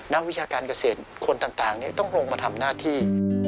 วิชาการเกษตรคนต่างต้องลงมาทำหน้าที่